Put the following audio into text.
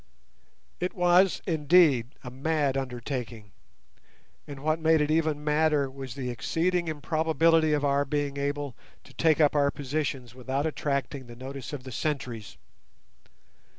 It was, indeed, a mad undertaking, and what made it even madder was the exceeding improbability of our being able to take up our positions without attracting the notice of the sentries.